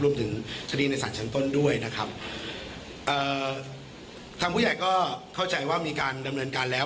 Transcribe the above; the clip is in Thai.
รวมถึงคดีในศาลชั้นต้นด้วยนะครับเอ่อทางผู้ใหญ่ก็เข้าใจว่ามีการดำเนินการแล้ว